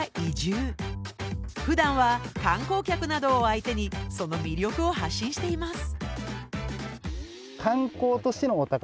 ふだんは観光客などを相手にその魅力を発信しています。